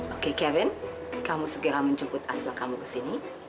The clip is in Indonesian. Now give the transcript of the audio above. oke kevin kamu segera menjemput aspa kamu ke sini